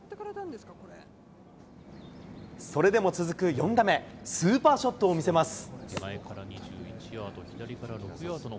それでも続く４打目、スーパーショットを見せます。